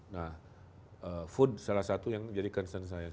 nah food salah satu yang menjadi concern saya